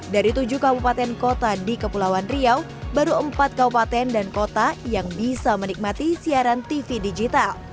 dari tujuh kabupaten kota di kepulauan riau baru empat kabupaten dan kota yang bisa menikmati siaran tv digital